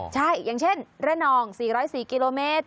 ใช่อย่างเช่นระนอง๔๐๔กิโลเมตร